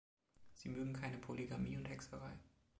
Sie mögen keine Polygamie und Hexerei.